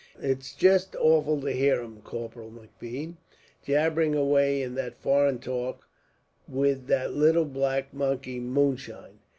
"It's just awful to hear him, Corporal M'Bean, jabbering away in that foreign talk, with that little black monkey moonshine.